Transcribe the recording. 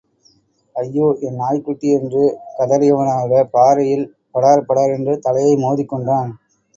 ஐயோ, என் நாய்க்குட்டி? என்று கதறியவனாக, பாறையில் படார், படார் என்று தலையை மோதிக் கொண்டான்.